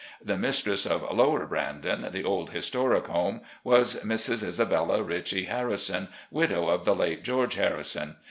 " 'The mistress of " Lower Brandon," the old historic home, was Mrs. Isabella Ritchie Harrison, widow of the late George Harrison.